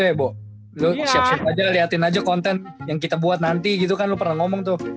ya bo lu siap siap aja liatin aja konten yang kita buat nanti gitu kan lu pernah ngomong tuh